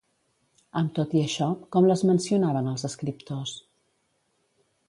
Amb tot i això, com les mencionaven els escriptors?